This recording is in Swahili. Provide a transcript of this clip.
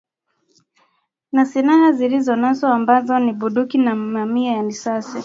na silaha zilizonaswa ambazo ni bunduki na mamia ya risasi